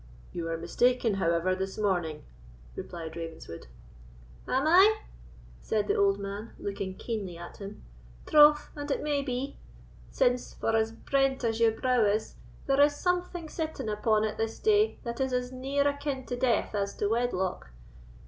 "You are mistaken, however, this morning," replied Ravenswood. "Am I?" said the old man, looking keenly at him, "troth and it may be; since, for as brent as your brow is, there is something sitting upon it this day that is as near akin to death as to wedlock.